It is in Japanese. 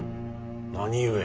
何故。